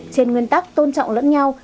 trên nguyên tắc tôn trọng lẫn nhau